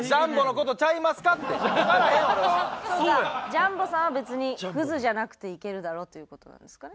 ジャンボさんは別にクズじゃなくていけるだろうという事なんですかね？